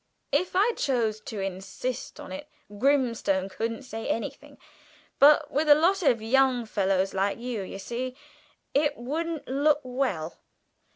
If I chose to insist on it Grimstone couldn't say anything; but with a lot of young fellows like you, you see, it wouldn't look well!"